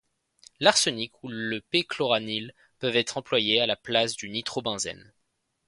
L'arsenic ou le p-chloranile peuvent être employés à la place du nitrobenzène.